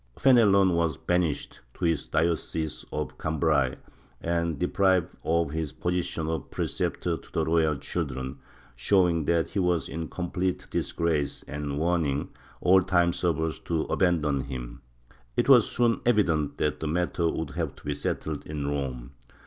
Fenelon was banished to his diocese of Cambrai and deprived of his position of preceptor to the royal children, showing that he was in complete disgrace and warning all time servers to abandon him. It was soon evident that the matter would have to be settled in Rome.